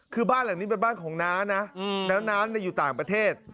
คือบ้านหลังนี้เป็นบ้านของน้านะแล้วน้าอยู่ต่างประเทศ